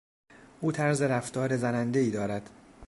او طرز رفتار زنندهای دارد.